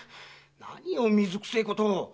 何を水くせえことを。